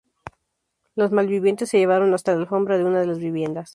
Los mal vivientes se llevaron hasta la alfombra de una de las viviendas.